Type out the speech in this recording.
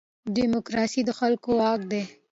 دیموکراسي د خلکو واک دی